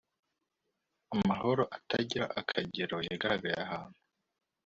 Amahoro atagira akagero yagaragaye ahantu